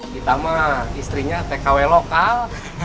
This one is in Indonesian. kita mah istrinya tkw lokal